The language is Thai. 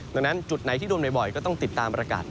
ดังนั้นจุดไหนที่โดนบ่อยก็ต้องติดตามประกาศ